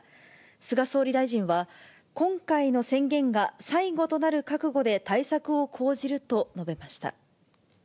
菅総理大臣は、今回の宣言が最後となる覚悟で対策を講じると述べました。